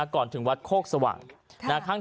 ก่อนถึงวัดโคกสว่าง